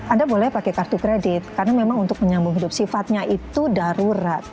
anda boleh pakai kartu kredit karena memang untuk menyambung hidup sifatnya itu darurat